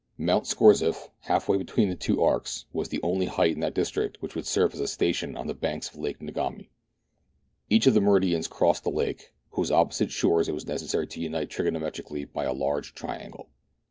Mount Scorzef, halfway between the two arcs, was the only height in that i8o meridiana; the adventures of district which would serve as a station on the banks of Lake Ngami. Each of the meridians crossed the lake, whose opposite shores it was necessary to unite trigono metrically by a large triangle.